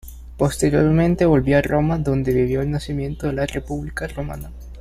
Posteriormente volvió a Roma donde vivió el nacimiento de la República Romana.